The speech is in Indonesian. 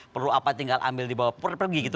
perlu apa tinggal ambil di bawah pergi gitu